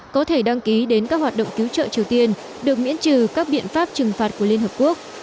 có thể đăng ký đến các hoạt động cứu trợ triều tiên được miễn trừ các biện pháp trừng phạt của liên hợp quốc